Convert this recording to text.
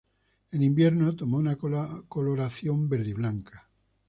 En invierno toma una coloración verdiblanca.